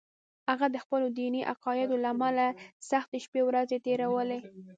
هغه د خپلو دیني عقایدو له امله سختې شپې ورځې تېرولې